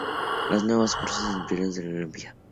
Los nuevos concursos se inspiraban en los de Olimpia.